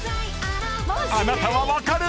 ［あなたは分かる？］